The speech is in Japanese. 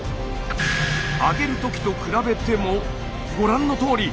上げるときと比べてもご覧のとおり！